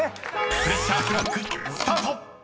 ［プレッシャークロックスタート！］